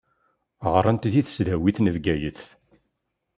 Ɣṛant di tesdawit n Bgayet.